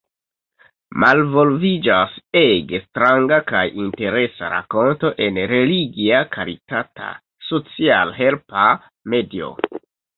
Malvolviĝas ege stranga kaj interesa rakonto en religia karitata socialhelpa medio.